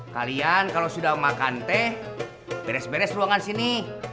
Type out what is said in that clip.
kalian kalau sudah makan teh beres beres ruangan sini